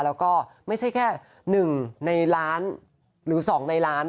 แล้วก็ไม่ใช่แค่๑ในล้านหรือ๒ในล้าน